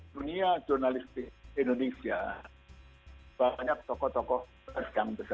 di dunia jurnalistik indonesia